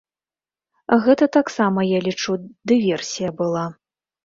Гэта таксама, я лічу, дыверсія была.